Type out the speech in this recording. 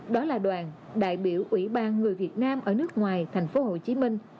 đó là đoàn đại biểu ủy ban người việt nam ở nước ngoài thành phố hồ chí minh